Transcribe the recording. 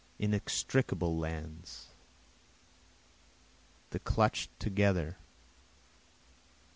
Inextricable lands! the clutch'd together!